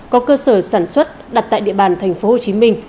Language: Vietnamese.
có cơ sở sản xuất đặt tại địa bàn tp hcm